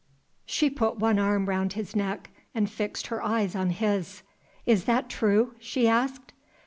She put one arm round his neck, and fixed her eyes on his. "Is that true?" she asked.